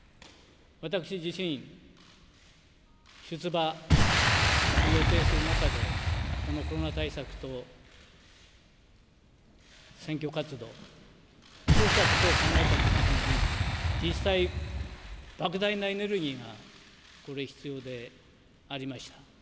私自身、出馬を予定する中で、このコロナ対策と選挙活動、こうしたことを考えたときに実際、ばく大なエネルギーが必要でありました。